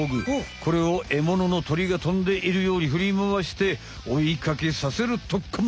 これをエモノの鳥がとんでいるようにふりまわして追いかけさせるとっくん。